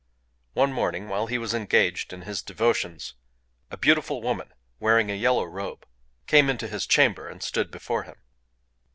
One morning, while he was engaged in his devotions, a beautiful woman, wearing a yellow robe, came into his chamber and stood before him.